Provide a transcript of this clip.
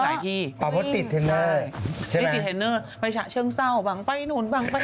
ไอ้ดิเฮนเนอร์ไม่ใช่ชั้นส้าวหวังไปไม่นูนหวังไป